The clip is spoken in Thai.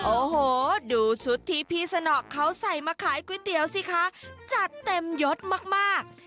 โอ้โหดูชุดที่พี่สนอกเขาใส่มาขายก๋วยเตี๋ยวสิคะจัดเต็มยดมาก